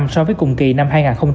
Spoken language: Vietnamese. so với cùng kỳ năm hai nghìn hai mươi